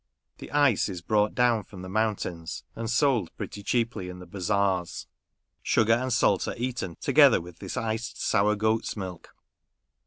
The ice is brought down from the mountains, and sold pretty cheaply in the bazaars. Sugar and salt are eaten together with this iced sour goat's milk.